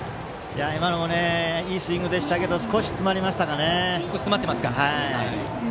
今もいいスイングでしたが少し詰まりましたかね。